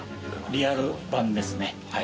リアル版ですね。